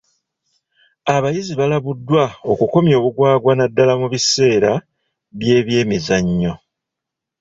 Abayizi balabuddwa okukomya obugwagwa naddaala mu biseera by'ebyemizannyo.